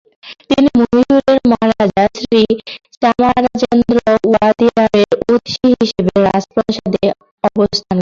তিনি মহীশূরের মহারাজা শ্রী চামারাজেন্দ্র ওয়াদিয়ারের অতিথি হিসেবে রাজপ্রাসাদে অবস্থান করেন।